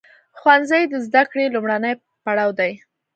ښوونځی د زده کړې لومړنی پړاو دی.